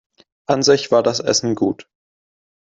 An sich war das Essen gut.